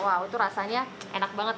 wow itu rasanya enak banget